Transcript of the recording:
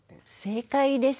正解です。